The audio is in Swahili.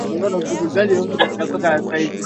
zinajali kwanza maslahi ya watu wa Cuba